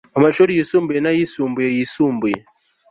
mu mashuri yisumbuye na yisumbuye yisumbuye